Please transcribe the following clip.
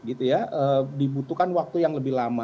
dibutuhkan waktu yang lebih lama